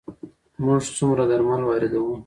موږ څومره درمل واردوو؟